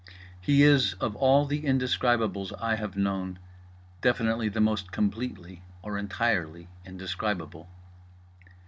He is, of all the indescribables I have known, definitely the most completely or entirely indescribable.